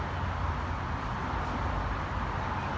สวัสดีครับ